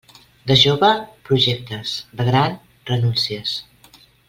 De jove, projectes; de gran, renúncies.